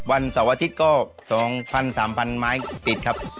วันเสาร์อาทิตย์ก็๒๐๐๓๐๐ไม้ติดครับ